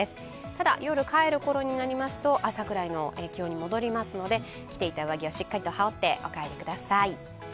ただ夜、帰る頃になりますと、朝くらいの気温になりますので着ていた上着はしっかり羽織ってお帰りください。